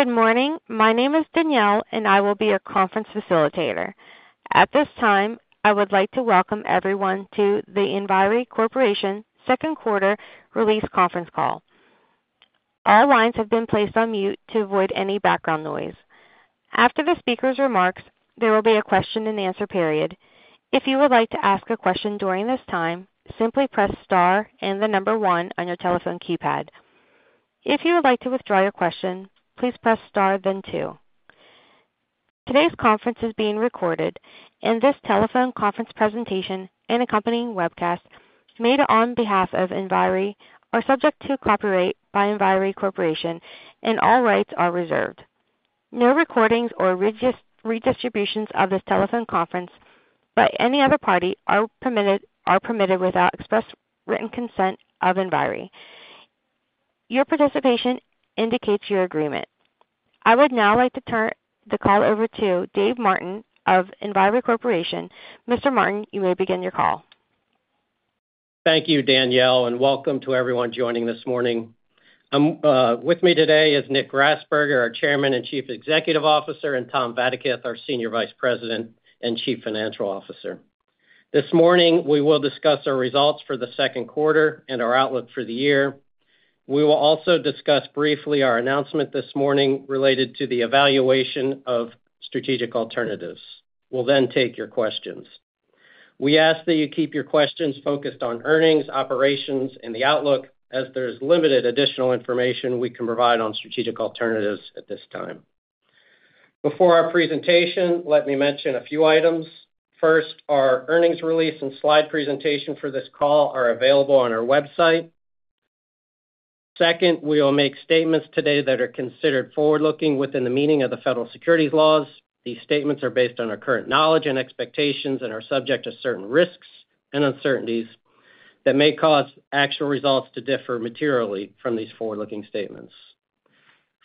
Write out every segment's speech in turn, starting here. Good morning. My name is Danielle, and I will be your conference facilitator. At this time, I would like to Welcome Everyone to the Enviri Corporation Second Quarter Release Conference Call. All lines have been placed on mute to avoid any background noise. After the speaker's remarks, there will be a question and answer period. If you would like to ask a question during this time, simply press star and the number one on your telephone keypad. If you would like to withdraw your question, please press star then two. Today's conference is being recorded, and this telephone conference presentation and accompanying webcast made on behalf of Enviri are subject to copyright by Enviri Corporation, and all rights are reserved. No recordings or redistributions of this telephone conference by any other party are permitted without express written consent of Enviri. Your participation indicates your agreement. I would now like to turn the call over to Dave Martin of Enviri Corporation. Mr. Martin, you may begin your call. Thank you, Danielle, and welcome to everyone joining this morning. With me today is Nick Grasberger, our Chairman and Chief Executive Officer, and Tom Vadaketh, our Senior Vice President and Chief Financial Officer. This morning, we will discuss our results for the second quarter and our outlook for the year. We will also discuss briefly our announcement this morning related to the evaluation of strategic alternatives. We'll then take your questions. We ask that you keep your questions focused on earnings, operations, and the outlook as there is limited additional information we can provide on strategic alternatives at this time. Before our presentation, let me mention a few items. First, our earnings release and slide presentation for this call are available on our website. Second, we will make statements today that are considered forward-looking within the meaning of the federal securities laws. These statements are based on our current knowledge and expectations and are subject to certain risks and uncertainties that may cause actual results to differ materially from these forward-looking statements.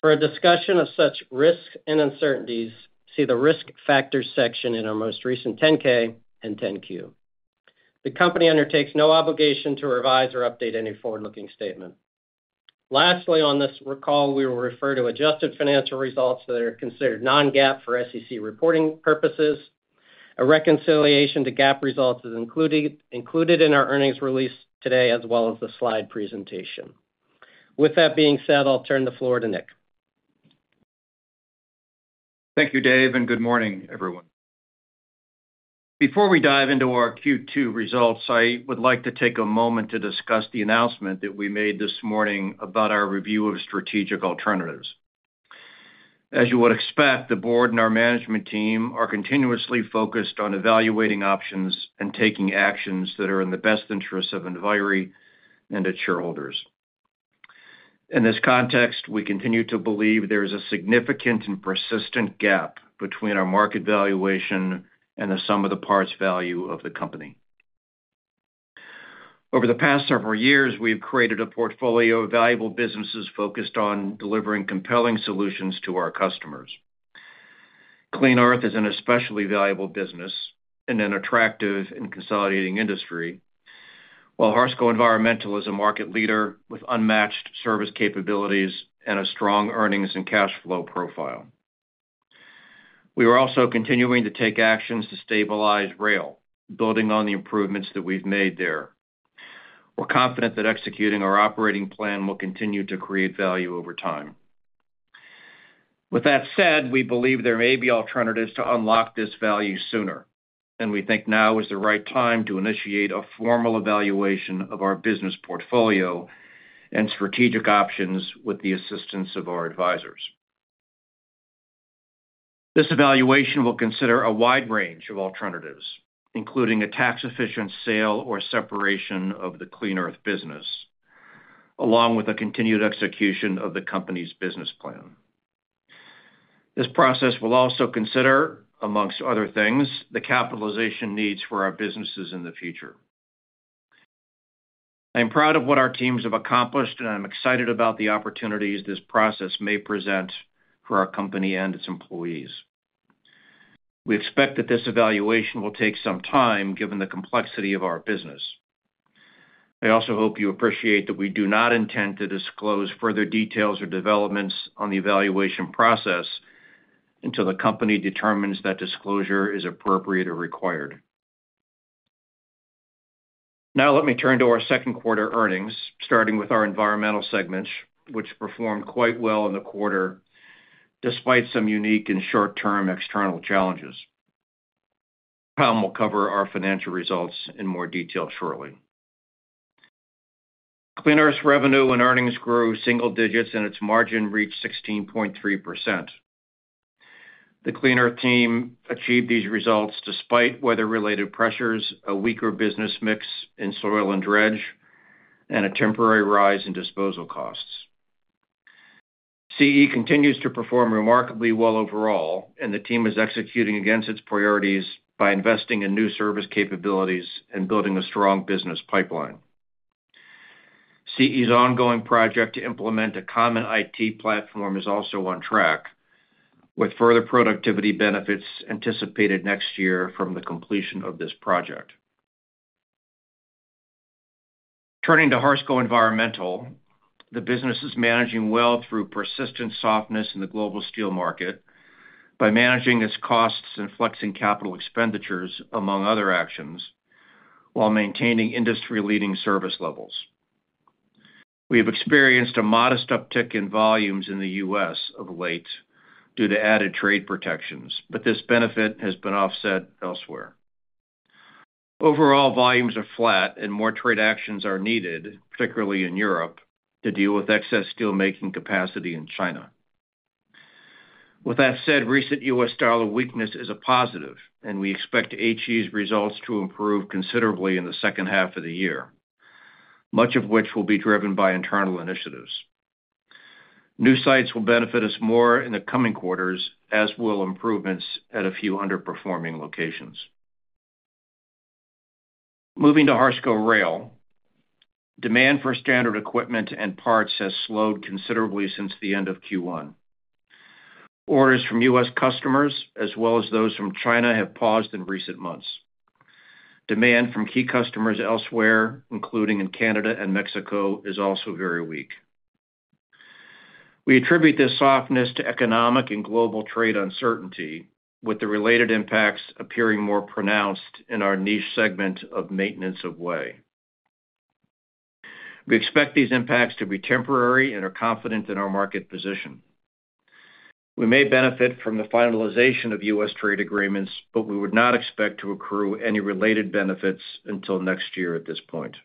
For a discussion of such risks and uncertainties, see the risk factors section in our most recent 10-K and 10-Q. The company undertakes no obligation to revise or update any forward-looking statement. Lastly, on this call, we will refer to adjusted financial results that are considered non-GAAP for SEC reporting purposes. A reconciliation to GAAP results is included in our earnings release today as well as the slide presentation. With that being said, I'll turn the floor to Nick. Thank you, Dave, and good morning, everyone. Before we dive into our Q2 results, I would like to take a moment to discuss the announcement that we made this morning about our review of strategic alternatives. As you would expect, the board and our management team are continuously focused on evaluating options and taking actions that are in the best interests of Enviri and its shareholders. In this context, we continue to believe there is a significant and persistent gap between our market valuation and the sum-of-the-parts value of the company. Over the past several years, we've created a portfolio of valuable businesses focused on delivering compelling solutions to our customers. Clean Earth is an especially valuable business in an attractive and consolidating industry, while Harsco Environmental is a market leader with unmatched service capabilities and a strong earnings and cash flow profile. We are also continuing to take actions to stabilize Harsco Rail, building on the improvements that we've made there. We're confident that executing our operating plan will continue to create value over time. With that said, we believe there may be alternatives to unlock this value sooner, and we think now is the right time to initiate a formal evaluation of our business portfolio and strategic options with the assistance of our advisors. This evaluation will consider a wide range of alternatives, including a tax-efficient sale or separation of the Clean Earth business, along with a continued execution of the company's business plan. This process will also consider, amongst other things, the capitalization needs for our businesses in the future. I am proud of what our teams have accomplished, and I'm excited about the opportunities this process may present for our company and its employees. We expect that this evaluation will take some time given the complexity of our business. I also hope you appreciate that we do not intend to disclose further details or developments on the evaluation process until the company determines that disclosure is appropriate or required. Now, let me turn to our second quarter earnings, starting with our environmental segments, which performed quite well in the quarter despite some unique and short-term external challenges. Tom will cover our financial results in more detail shortly. Clean Earth's revenue and earnings grew single digits, and its margin reached 16.3%. The Clean Earth team achieved these results despite weather-related pressures, a weaker business mix in soil and dredge, and a temporary rise in disposal costs. Clean Earth continues to perform remarkably well overall, and the team is executing against its priorities by investing in new service capabilities and building a strong business pipeline. Clean Earth's ongoing project to implement a common IT platform is also on track, with further productivity benefits anticipated next year from the completion of this project. Turning to Harsco Environmental, the business is managing well through persistent softness in the global steel market by managing its costs and flexing capital expenditures, among other actions, while maintaining industry-leading service levels. We have experienced a modest uptick in volumes in the U.S. of late due to added trade protections, but this benefit has been offset elsewhere. Overall, volumes are flat, and more trade actions are needed, particularly in Europe, to deal with excess steelmaking capacity in China. With that said, recent U.S. dollar weakness is a positive, and we expect Harsco Environmental's results to improve considerably in the second half of the year, much of which will be driven by internal initiatives. New sites will benefit us more in the coming quarters, as will improvements at a few underperforming locations. Moving to Harsco Rail, demand for standard equipment and parts has slowed considerably since the end of Q1. Orders from U.S. customers, as well as those from China, have paused in recent months. Demand from key customers elsewhere, including in Canada and Mexico, is also very weak. We attribute this softness to economic and global trade uncertainty, with the related impacts appearing more pronounced in our niche segment of maintenance of way. We expect these impacts to be temporary and are confident in our market position. We may benefit from the finalization of U.S. trade agreements, but we would not expect to accrue any related benefits until next year at this point.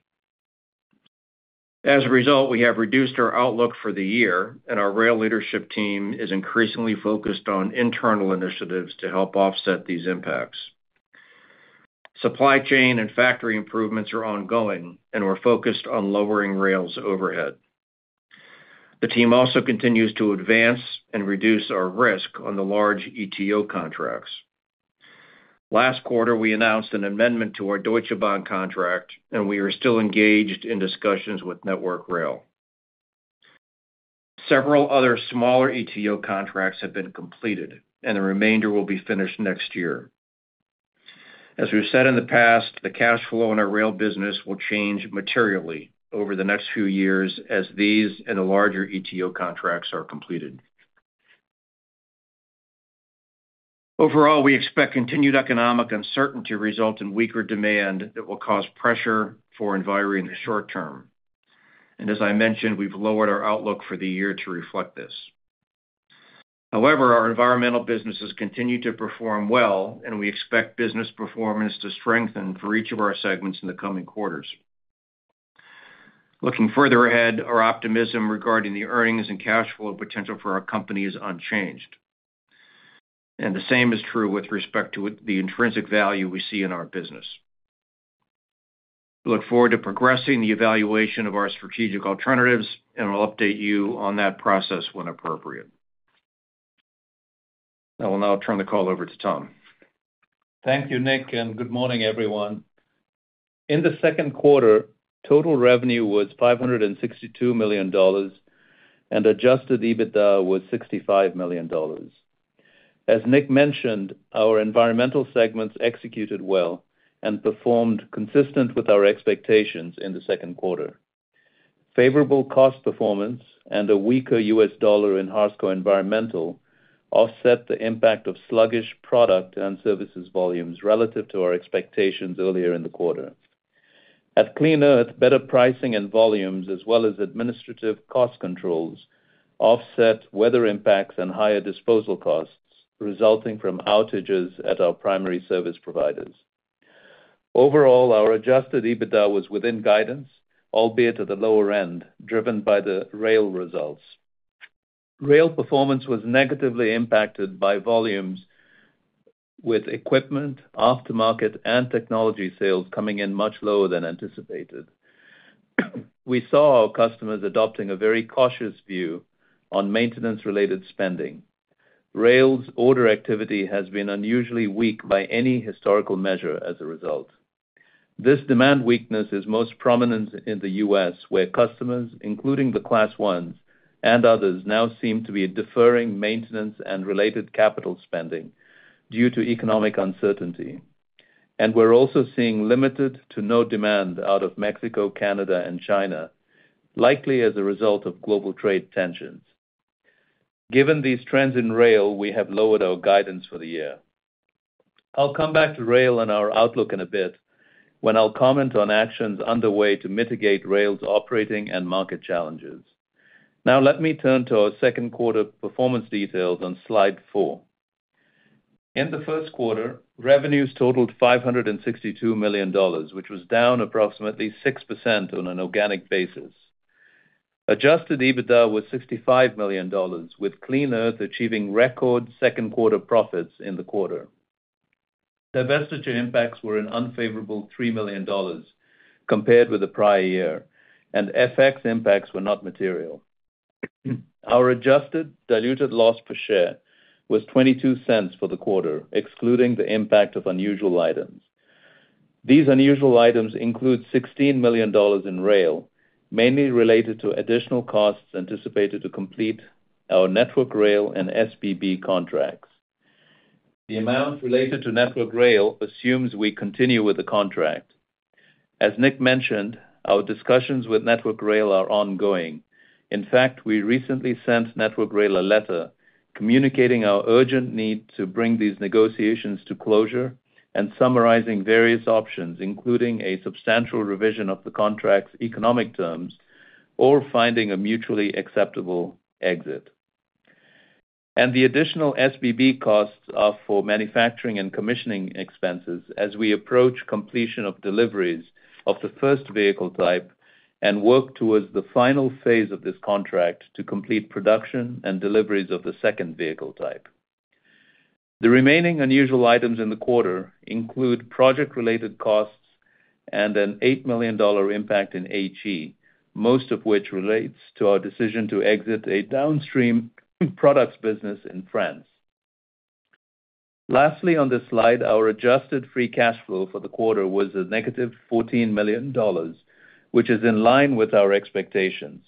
As a result, we have reduced our outlook for the year, and our Rail leadership team is increasingly focused on internal initiatives to help offset these impacts. Supply chain and factory improvements are ongoing, and we're focused on lowering Rail's overhead. The team also continues to advance and reduce our risk on the large ETO contracts. Last quarter, we announced an amendment to our Deutsche Bahn contract, and we are still engaged in discussions with Network Rail. Several other smaller ETO contracts have been completed, and the remainder will be finished next year. As we've said in the past, the cash flow in our rail business will change materially over the next few years as these and the larger ETO contracts are completed. Overall, we expect continued economic uncertainty to result in weaker demand that will cause pressure for Enviri in the short term. As I mentioned, we've lowered our outlook for the year to reflect this. However, our environmental businesses continue to perform well, and we expect business performance to strengthen for each of our segments in the coming quarters. Looking further ahead, our optimism regarding the earnings and cash flow potential for our company is unchanged. The same is true with respect to the intrinsic value we see in our business. We look forward to progressing the evaluation of our strategic alternatives, and we'll update you on that process when appropriate. I will now turn the call over to Tom. Thank you, Nick, and good morning, everyone. In the second quarter, total revenue was $562 million and adjusted EBITDA was $65 million. As Nick mentioned, our environmental segments executed well and performed consistent with our expectations in the second quarter. Favorable cost performance and a weaker U.S. dollar in Harsco Environmental offset the impact of sluggish product and services volumes relative to our expectations earlier in the quarter. At Clean Earth, better pricing and volumes, as well as administrative cost controls, offset weather impacts and higher disposal costs resulting from outages at our primary service providers. Overall, our adjusted EBITDA was within guidance, albeit at the lower end, driven by the rail results. Rail performance was negatively impacted by volumes, with equipment, aftermarket, and technology sales coming in much lower than anticipated. We saw our customers adopting a very cautious view on maintenance-related spending. Rail's order activity has been unusually weak by any historical measure as a result. This demand weakness is most prominent in the U.S., where customers, including the Class 1s and others, now seem to be deferring maintenance and related capital spending due to economic uncertainty. We are also seeing limited to no demand out of Mexico, Canada, and China, likely as a result of global trade tensions. Given these trends in rail, we have lowered our guidance for the year. I'll come back to rail and our outlook in a bit when I'll comment on actions underway to mitigate rail's operating and market challenges. Now, let me turn to our second quarter performance details on slide four. In the first quarter, revenues totaled $562 million, which was down approximately 6% on an organic basis. Adjusted EBITDA was $65 million, with Clean Earth achieving record second-quarter profits in the quarter. Divestiture impacts were an unfavorable $3 million compared with the prior year, and FX impacts were not material. Our adjusted diluted loss per share was $0.22 for the quarter, excluding the impact of unusual items. These unusual items include $16 million in rail, mainly related to additional costs anticipated to complete our Network Rail and SBB contracts. The amount related to Network Rail assumes we continue with the contract. As Nick mentioned, our discussions with Network Rail are ongoing. In fact, we recently sent Network Rail a letter communicating our urgent need to bring these negotiations to closure and summarizing various options, including a substantial revision of the contract's economic terms or finding a mutually acceptable exit. The additional SBB costs are for manufacturing and commissioning expenses as we approach completion of deliveries of the first vehicle type and work towards the final phase of this contract to complete production and deliveries of the second vehicle type. The remaining unusual items in the quarter include project-related costs and an $8 million impact in Harsco Environmental, most of which relates to our decision to exit a downstream products business in France. Lastly, on this slide, our adjusted free cash flow for the quarter was a negative $14 million, which is in line with our expectations.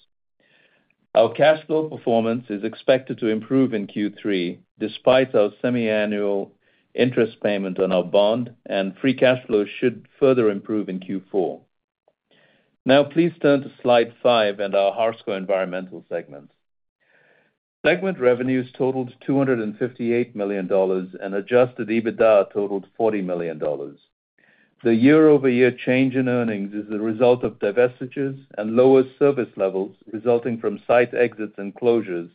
Our cash flow performance is expected to improve in Q3 despite our semiannual interest payment on our bond, and free cash flow should further improve in Q4. Now, please turn to slide five and our Harsco Environmental segment. Segment revenues totaled $258 million, and adjusted EBITDA totaled $40 million. The year-over-year change in earnings is the result of divestitures and lower service levels resulting from site exits and closures,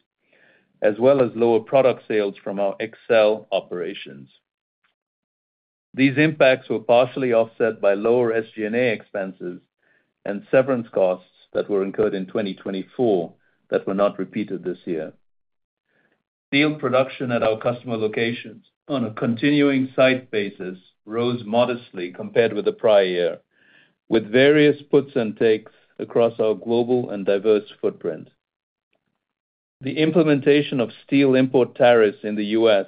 as well as lower product sales from our Excel operations. These impacts were partially offset by lower SG&A expenses and severance costs that were incurred in 2024 that were not repeated this year. Field production at our customer locations on a continuing site basis rose modestly compared with the prior year, with various puts and takes across our global and diverse footprint. The implementation of steel import tariffs in the U.S.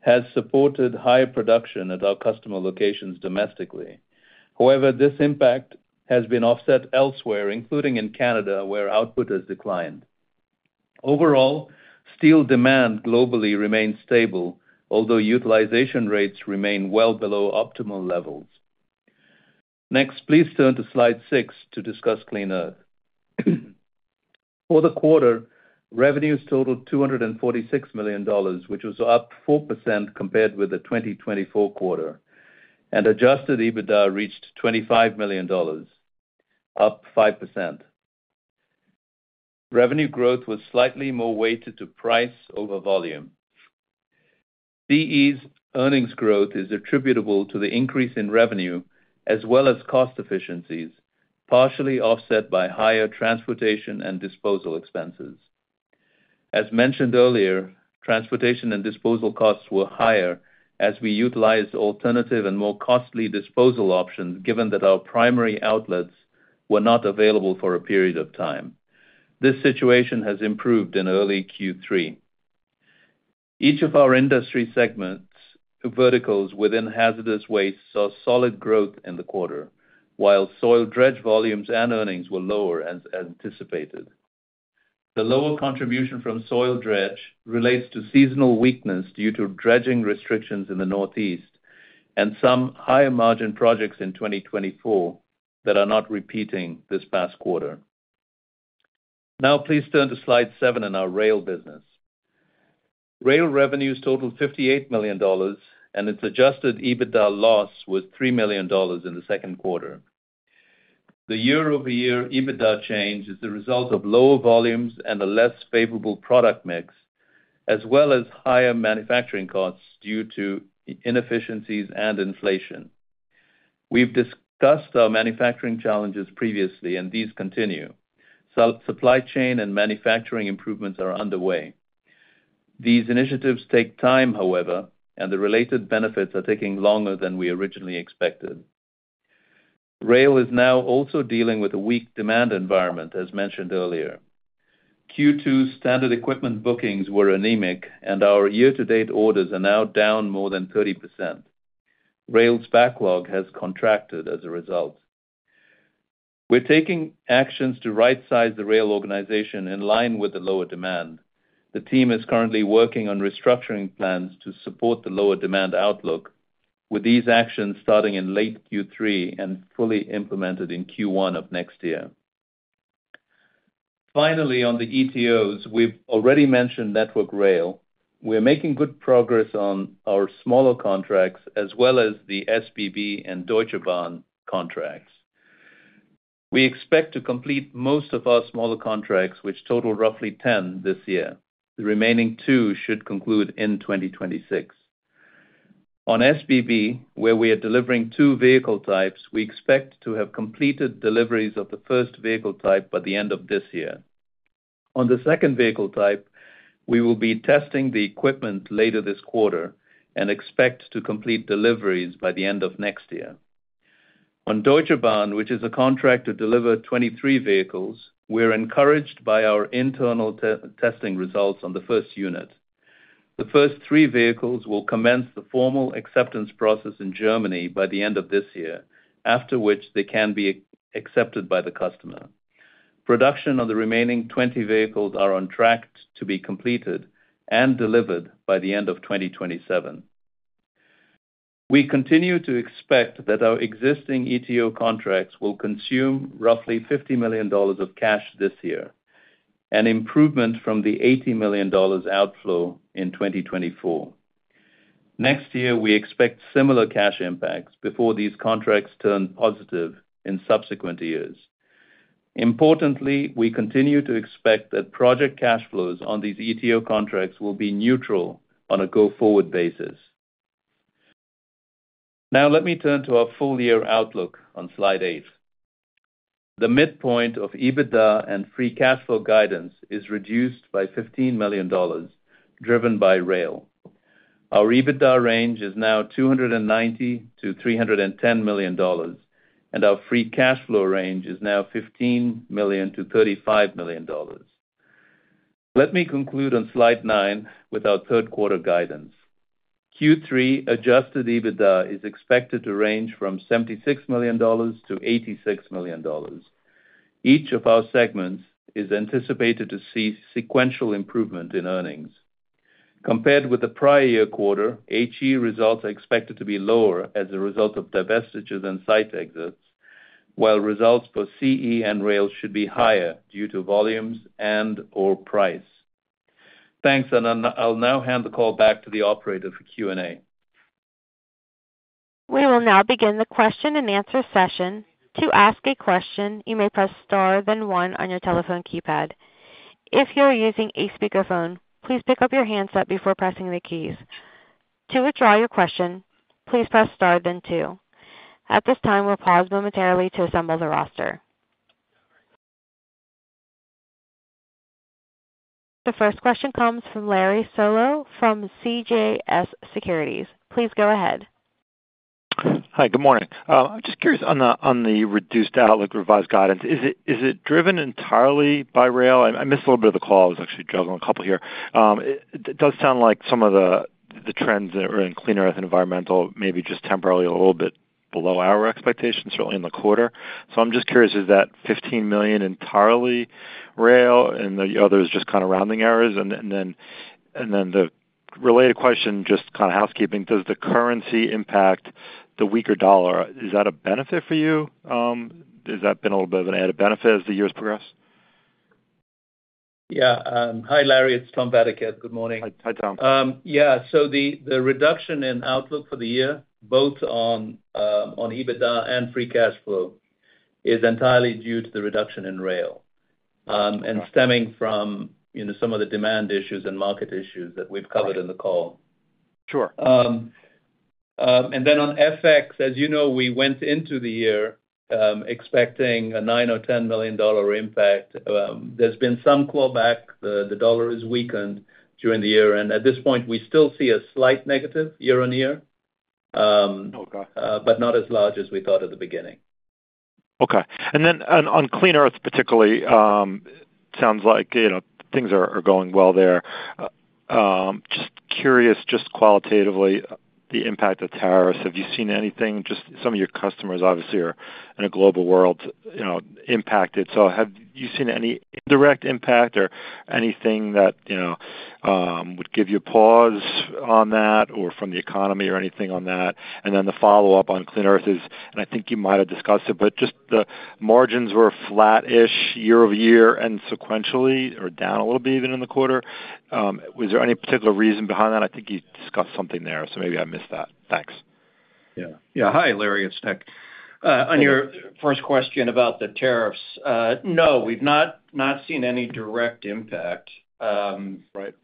has supported higher production at our customer locations domestically. However, this impact has been offset elsewhere, including in Canada, where output has declined. Overall, steel demand globally remains stable, although utilization rates remain well below optimal levels. Next, please turn to slide six to discuss Clean Earth. For the quarter, revenues totaled $246 million, which was up 4% compared with the 2024 quarter, and adjusted EBITDA reached $25 million, up 5%. Revenue growth was slightly more weighted to price over volume. Clean Earth's earnings growth is attributable to the increase in revenue as well as cost efficiencies, partially offset by higher transportation and disposal expenses. As mentioned earlier, transportation and disposal costs were higher as we utilized alternative and more costly disposal options, given that our primary outlets were not available for a period of time. This situation has improved in early Q3. Each of our industry segments' verticals within hazardous waste saw solid growth in the quarter, while soil dredge volumes and earnings were lower as anticipated. The lower contribution from soil dredge relates to seasonal weakness due to dredging restrictions in the Northeast and some higher margin projects in 2024 that are not repeating this past quarter. Now, please turn to slide seven in our rail business. Rail revenues totaled $58 million, and its adjusted EBITDA loss was $3 million in the second quarter. The year-over-year EBITDA change is the result of lower volumes and a less favorable product mix, as well as higher manufacturing costs due to inefficiencies and inflation. We've discussed our manufacturing challenges previously, and these continue. Supply chain and manufacturing improvements are underway. These initiatives take time, however, and the related benefits are taking longer than we originally expected. Rail is now also dealing with a weak demand environment, as mentioned earlier. Q2 standard equipment bookings were anemic, and our year-to-date orders are now down more than 30%. Rail's backlog has contracted as a result. We're taking actions to right-size the rail organization in line with the lower demand. The team is currently working on restructuring plans to support the lower demand outlook, with these actions starting in late Q3 and fully implemented in Q1 of next year. Finally, on the ETOs, we've already mentioned Network Rail. We're making good progress on our smaller contracts, as well as the SBB and Deutsche Bahn contracts. We expect to complete most of our smaller contracts, which total roughly 10 this year. The remaining two should conclude in 2026. On SBB, where we are delivering two vehicle types, we expect to have completed deliveries of the first vehicle type by the end of this year. On the second vehicle type, we will be testing the equipment later this quarter and expect to complete deliveries by the end of next year. On Deutsche Bahn, which is a contract to deliver 23 vehicles, we're encouraged by our internal testing results on the first unit. The first three vehicles will commence the formal acceptance process in Germany by the end of this year, after which they can be accepted by the customer. Production on the remaining 20 vehicles is on track to be completed and delivered by the end of 2027. We continue to expect that our existing ETO contracts will consume roughly $50 million of cash this year, an improvement from the $80 million outflow in 2024. Next year, we expect similar cash impacts before these contracts turn positive in subsequent years. Importantly, we continue to expect that project cash flows on these ETO contracts will be neutral on a go-forward basis. Now, let me turn to our full-year outlook on slide eight. The midpoint of EBITDA and free cash flow guidance is reduced by $15 million, driven by rail. Our EBITDA range is now $290-$310 million, and our free cash flow range is now $15 million-$35 million. Let me conclude on slide nine with our third quarter guidance. Q3 adjusted EBITDA is expected to range from $76 million-$86 million. Each of our segments is anticipated to see sequential improvement in earnings. Compared with the prior year quarter, Harsco Environmental results are expected to be lower as a result of divestitures and site exits, while results for Clean Earth and rail should be higher due to volumes and/or price. Thanks, and I'll now hand the call back to the operator for Q&A. We will now begin the question and answer session. To ask a question, you may press star then one on your telephone keypad. If you're using a speakerphone, please pick up your handset before pressing the keys. To withdraw your question, please press star then two. At this time, we'll pause momentarily to assemble the roster. The first question comes from Larry Solow from CJS Securities. Please go ahead. Hi, good morning. I'm just curious on the reduced outlook revised guidance. Is it driven entirely by rail? I missed a little bit of the call. I was actually juggling a couple here. It does sound like some of the trends that are in Clean Earth Environmental may be just temporarily a little bit below our expectations, certainly in the quarter. I'm just curious, is that $15 million entirely rail and the others just kind of rounding errors? The related question, just kind of housekeeping, does the currency impact the weaker dollar? Is that a benefit for you? Has that been a little bit of an added benefit as the years progress? Yeah. Hi, Larry. It's Tom Vadaketh. Good morning. Hi, Tom. Yeah, the reduction in outlook for the year, both on EBITDA and free cash flow, is entirely due to the reduction in rail and stemming from some of the demand issues and market issues that we've covered in the call. Sure. On FX, as you know, we went into the year expecting a $9 million or $10 million impact. There has been some clawback. The dollar has weakened during the year, and at this point, we still see a slight negative year-on-year, but not as large as we thought at the beginning. Okay. On Clean Earth particularly, it sounds like things are going well there. Just curious, just qualitatively, the impact of tariffs, have you seen anything? Some of your customers, obviously, are in a global world impacted. Have you seen any direct impact or anything that would give you a pause on that or from the economy or anything on that? The follow-up on Clean Earth is, and I think you might have discussed it, but the margins were flat-ish year-over-year and sequentially or down a little bit even in the quarter. Was there any particular reason behind that? I think you discussed something there, so maybe I missed that. Thanks. Yeah. Hi, Larry. It's Nick. On your first question about the tariffs, no, we've not seen any direct impact. Right.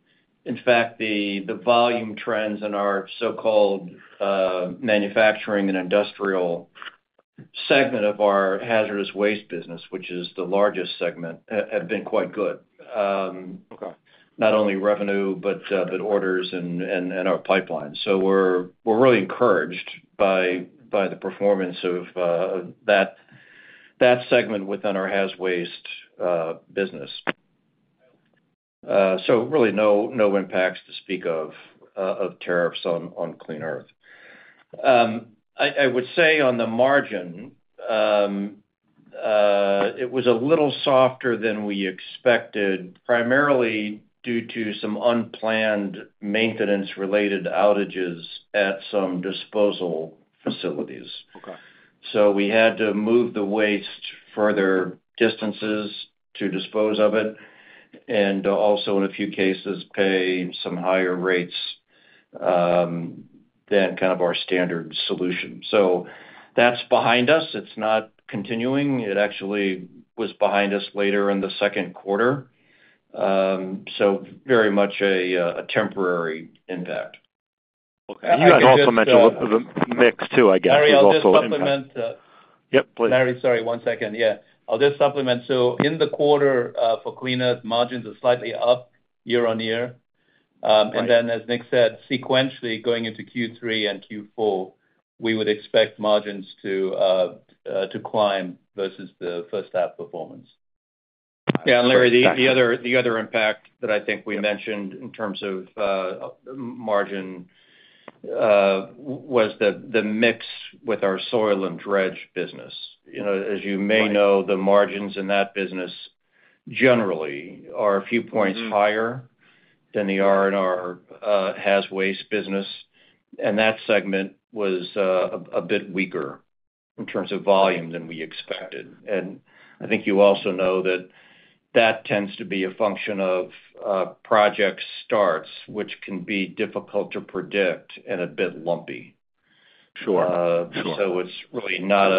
In fact, the volume trends in our so-called manufacturing and industrial segment of our hazardous waste business, which is the largest segment, have been quite good. Okay. Not only revenue, but orders and our pipeline. We're really encouraged by the performance of that segment within our hazardous waste business. There are really no impacts to speak of from tariffs on Clean Earth. I would say on the margin, it was a little softer than we expected, primarily due to some unplanned maintenance-related outages at some disposal facilities. Okay. We had to move the waste further distances to dispose of it, and also, in a few cases, pay some higher rates than kind of our standard solution. That's behind us. It's not continuing. It actually was behind us later in the second quarter. Very much a temporary impact. Okay. You also mentioned a mix too, I guess. Larry, I'll supplement. Yep, please. Larry, sorry, one second. I'll just supplement. In the quarter for Clean Earth, margins are slightly up year on year. As Nick said, sequentially going into Q3 and Q4, we would expect margins to climb versus the first half performance. Larry, the other impact that I think we mentioned in terms of margin was the mix with our soil and dredge business. As you may know, the margins in that business generally are a few points higher than they are in our hazardous waste business. That segment was a bit weaker in terms of volume than we expected. I think you also know that tends to be a function of project starts, which can be difficult to predict and a bit lumpy. Sure. Sure. It is really not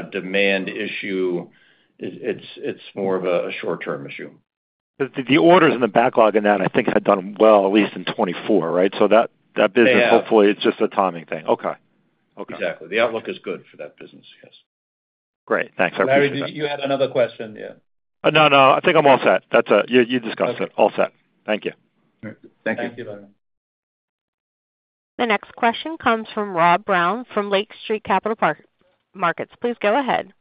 a demand issue. It is more of a short-term issue. The orders and the backlog in that, I think, had done well, at least in 2024, right? That business, hopefully, it's just a timing thing. Exactly. Okay. Okay. The outlook is good for that business, yes. Great. Thanks. I appreciate it. Larry, you had another question. Yeah. No, I think I'm all set. You discussed it. All set. Thank you. Thank you. Thank you, Larry. The next question comes from Rob Brown from Lake Street Capital Markets. Please go ahead.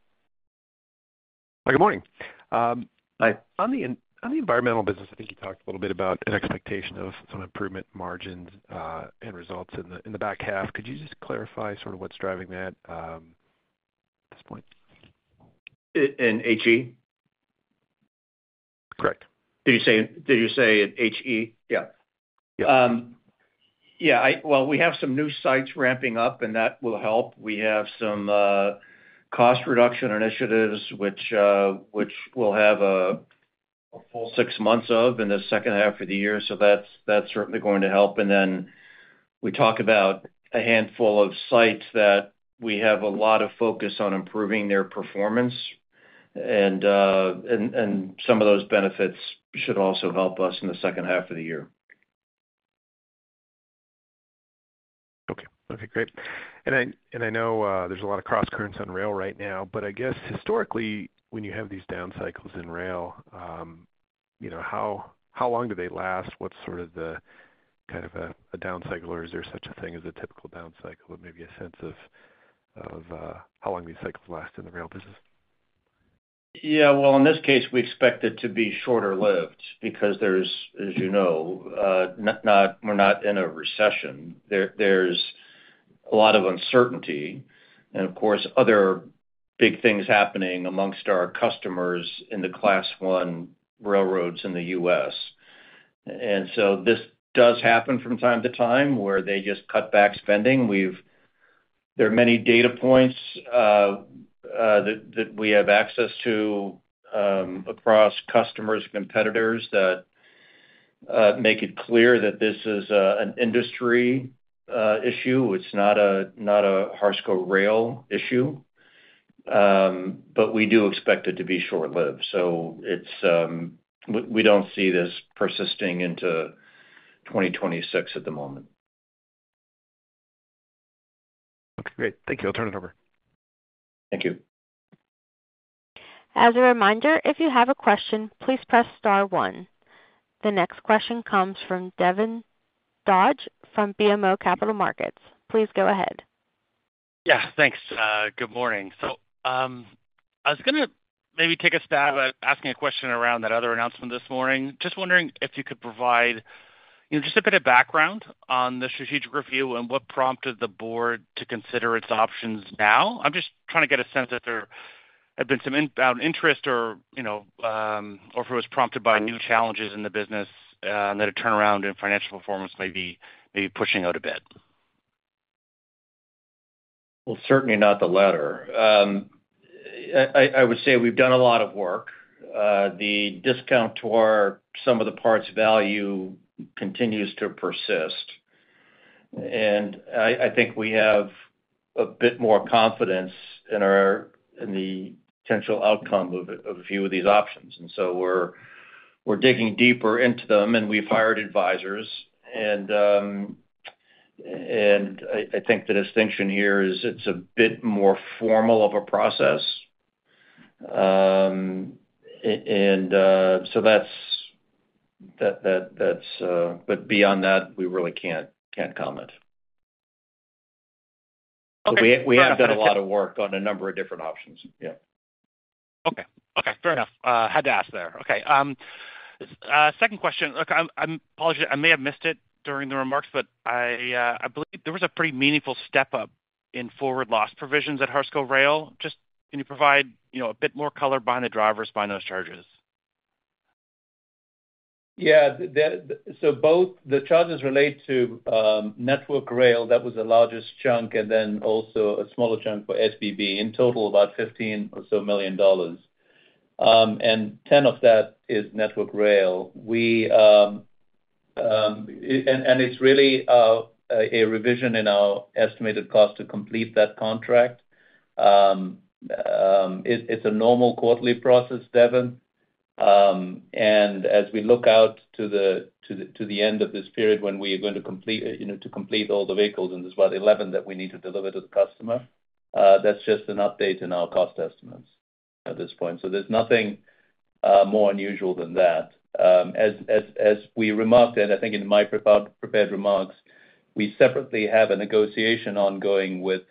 Hi, good morning. Hi. On the environmental business, I think you talked a little bit about an expectation of some improvement in margins and results in the back half. Could you just clarify sort of what's driving that at this point? In HE? Correct. Did you say in Harsco Environmental? Yeah. We have some new sites ramping up, and that will help. We have some cost reduction initiatives, which we'll have a full six months of in the second half of the year. That's certainly going to help. We talk about a handful of sites that we have a lot of focus on improving their performance, and some of those benefits should also help us in the second half of the year. Okay, great. I know there's a lot of cross-currents on rail right now, but I guess historically, when you have these down cycles in rail, you know how long do they last? What's sort of the kind of a down cycle, or is there such a thing as a typical down cycle, and maybe a sense of how long these cycles last in the rail business? In this case, we expect it to be shorter-lived because, as you know, we're not in a recession. There's a lot of uncertainty. Of course, other big things are happening amongst our customers in the Class 1 railroads in the U.S. This does happen from time to time where they just cut back spending. There are many data points that we have access to across customers and competitors that make it clear that this is an industry issue. It's not a Harsco Rail issue. We do expect it to be short-lived, and we don't see this persisting into 2026 at the moment. Okay, great. Thank you. I'll turn it over. Thank you. As a reminder, if you have a question, please press star one. The next question comes from Devin Dodge from BMO Capital Markets. Please go ahead. Yeah, thanks. Good morning. I was going to maybe take a stab at asking a question around that other announcement this morning. Just wondering if you could provide, you know, just a bit of background on the strategic review and what prompted the board to consider its options now. I'm just trying to get a sense if there had been some inbound interest or, you know, if it was prompted by new challenges in the business and that a turnaround in financial performance may be pushing out a bit. I would say we've done a lot of work. The discount to our sum-of-the-parts value continues to persist, and I think we have a bit more confidence in the potential outcome of a few of these options. We're digging deeper into them, and we've hired advisors. The distinction here is it's a bit more formal of a process. Beyond that, we really can't comment. Okay. We have done a lot of work on a number of different options. Okay. Fair enough. Had to ask there. Second question. Look, I apologize. I may have missed it during the remarks, but I believe there was a pretty meaningful step up in forward loss provisions at Harsco Rail. Just can you provide a bit more color behind the drivers behind those charges? Yeah. Both the charges relate to Network Rail. That was the largest chunk, and then also a smaller chunk for SBB. In total, about $15 million or so. Ten of that is Network Rail. It's really a revision in our estimated cost to complete that contract. It's a normal quarterly process, Devin. As we look out to the end of this period when we are going to complete all the vehicles in this, about 11 that we need to deliver to the customer, that's just an update in our cost estimates at this point. There's nothing more unusual than that. As we remarked, and I think in my prepared remarks, we separately have a negotiation ongoing with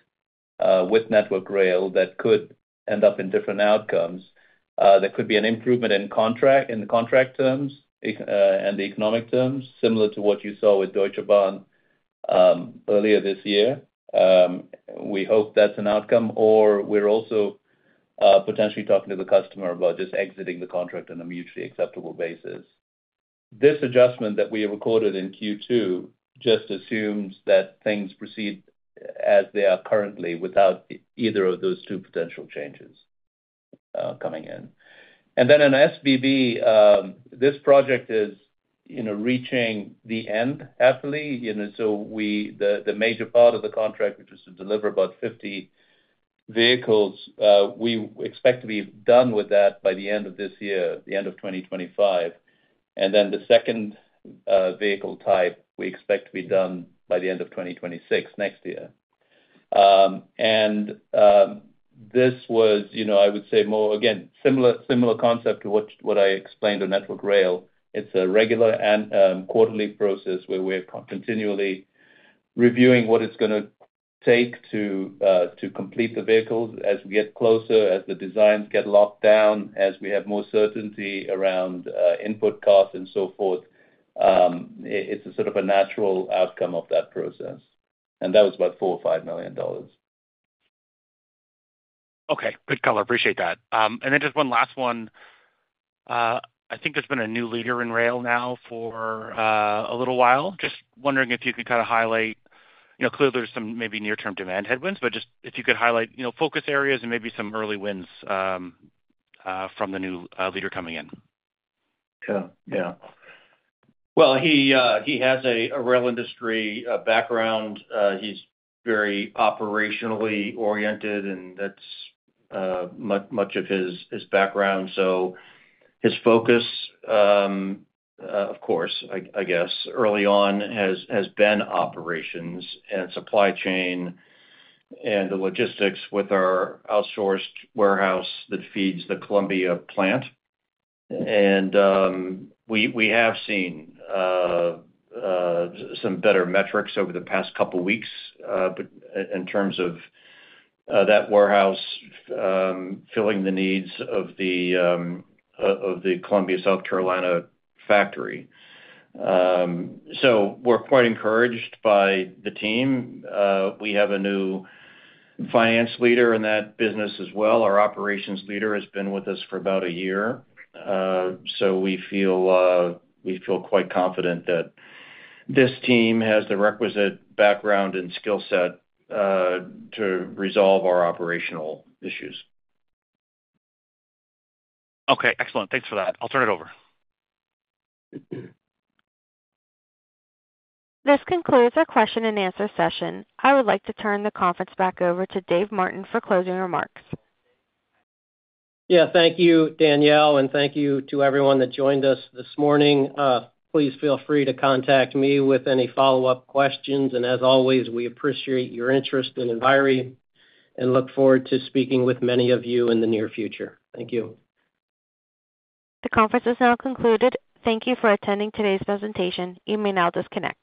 Network Rail that could end up in different outcomes. There could be an improvement in contract terms and the economic terms, similar to what you saw with Deutsche Bahn earlier this year. We hope that's an outcome, or we're also potentially talking to the customer about just exiting the contract on a mutually acceptable basis. This adjustment that we recorded in Q2 just assumes that things proceed as they are currently without either of those two potential changes coming in. In SBB, this project is reaching the end, happily. The major part of the contract, which is to deliver about 50 vehicles, we expect to be done with that by the end of this year, the end of 2025. The second vehicle type, we expect to be done by the end of 2026, next year. This was, you know, I would say more, again, similar concept to what I explained on Network Rail. It's a regular and quarterly process where we're continually reviewing what it's going to take to complete the vehicles as we get closer, as the designs get locked down, as we have more certainty around input costs and so forth. It's a sort of a natural outcome of that process. That was about $4 or $5 million. Okay. Good color. Appreciate that. Just one last one. I think there's been a new leader in Rail now for a little while. Just wondering if you could kind of highlight, you know, clearly there's some maybe near-term demand headwinds, but just if you could highlight, you know, focus areas and maybe some early wins from the new leader coming in. Yeah. He has a rail industry background. He's very operationally oriented, and that's much of his background. His focus, of course, early on has been operations and supply chain and the logistics with our outsourced warehouse that feeds the Columbia plant. We have seen some better metrics over the past couple of weeks in terms of that warehouse filling the needs of the Columbia, South Carolina factory. We are quite encouraged by the team. We have a new finance leader in that business as well. Our operations leader has been with us for about a year. We feel quite confident that this team has the requisite background and skill set to resolve our operational issues. Okay. Excellent. Thanks for that. I'll turn it over. This concludes our question and answer session. I would like to turn the conference back over to Dave Martin for closing remarks. Thank you, Danielle, and thank you to everyone that joined us this morning. Please feel free to contact me with any follow-up questions. As always, we appreciate your interest in Enviri and look forward to speaking with many of you in the near future. Thank you. The conference is now concluded. Thank you for attending today's presentation. You may now disconnect.